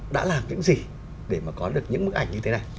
đã làm những gì để mà có được những bức ảnh như thế này